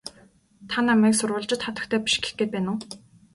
Та намайг сурвалжит хатагтай биш гэх гээд байна уу?